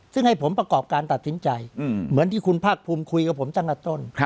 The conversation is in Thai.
ซึ่งให้ผมประกอบการตัดสินใจเหมือนที่คุณภาคภูมิคุยกับผมตั้งแต่ต้น